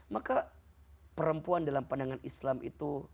maka perempuan dalam pandangan islam itu